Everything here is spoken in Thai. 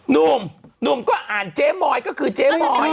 หนุ่มหนุ่มก็อ่านเจ๊มอยก็คือเจ๊มอย